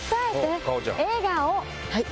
はい。